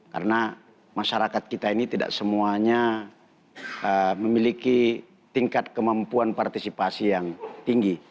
karena masyarakat kita ini tidak semuanya memiliki tingkat kemampuan partisipasi yang tinggi